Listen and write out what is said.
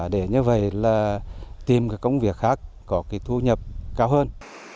để như vậy tìm công việc khác có thu nhập cao hơn